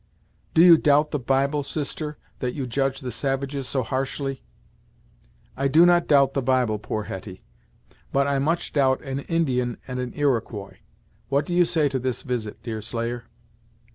"Do you doubt the Bible, sister, that you judge the savages so harshly!" "I do not doubt the Bible, poor Hetty, but I much doubt an Indian and an Iroquois. What do you say to this visit, Deerslayer?"